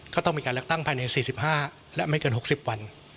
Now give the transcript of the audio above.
ก็ต้องมีการเลือกตั้งภายใน๔๕และไม่เกิน๖๐วัน